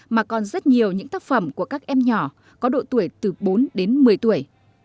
mà còn rất nhiều những tác phẩm của các em nhỏ có độ tuổi từ bốn đến một mươi tuổi